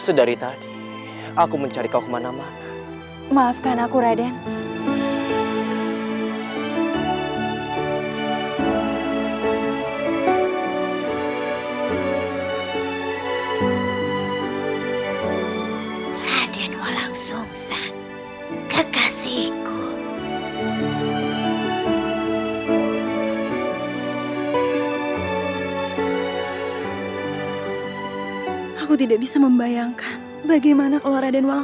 sampai jumpa di video selanjutnya